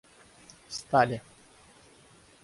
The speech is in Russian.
стали